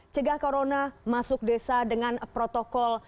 cegah corona masuk desa dengan protokol